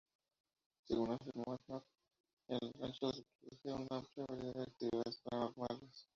Según afirmó Knapp, en el rancho se produjeron una amplia variedad de actividades paranormales.